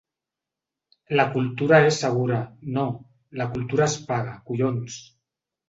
La cultura és segura, no, la cultura es paga, collons.